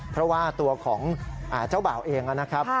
เพราะว่าตัวของเจ้าบ่าวเองนะครับ